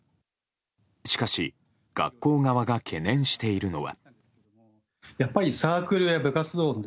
しかし学校側が懸念しているのは。